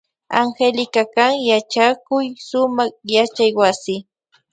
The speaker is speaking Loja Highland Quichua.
Angélica kan yachakuy sumak yachaywasi.